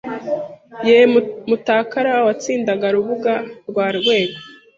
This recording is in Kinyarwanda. Ye Mutakara watsindaga Rubuga rwa Rwego